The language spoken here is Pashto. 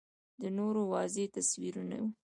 د نورو واضح تصویر نه و